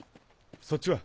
そっちは？